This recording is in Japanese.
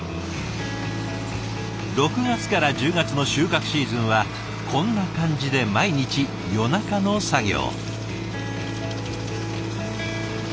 ６月から１０月の収穫シーズンはこんな感じで毎日夜中の作業。